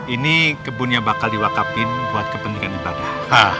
ini kebunnya bakal diwakapin buat kepentingan ibadah